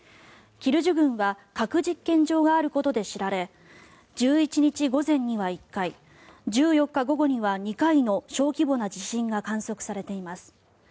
キルジュ郡は核実験場があることで知られ１１日午前には１回１４日午後には２回の小規模な地震が観測されています。